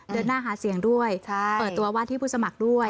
เดินหน้าหาเสียงด้วยเปิดตัวว่าที่ผู้สมัครด้วย